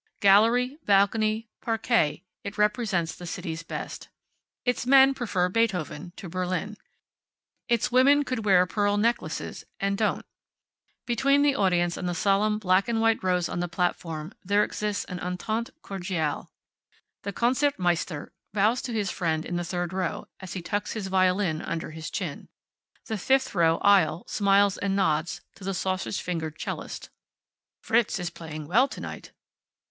Gallery, balcony, parquet, it represents the city's best. Its men prefer Beethoven to Berlin. Its women could wear pearl necklaces, and don't. Between the audience and the solemn black and white rows on the platform there exists an entente cordiale. The Konzert Meister bows to his friend in the third row, as he tucks his violin under his chin. The fifth row, aisle, smiles and nods to the sausage fingered 'cellist. "Fritz is playing well to night."